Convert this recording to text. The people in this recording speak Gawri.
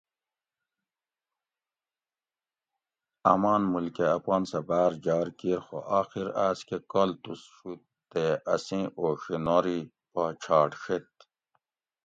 آمان ملکہ اپان سہ بار جار کیر خو آخیر آس کہ کالتوس شود تے آسی اوڛینوری پا چھاٹ ڛیت